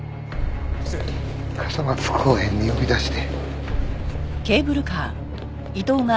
傘松公園に呼び出して。